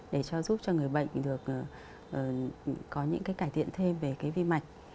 để cho giúp cho người bệnh được có những cái cải thiện thêm về cái vi mạch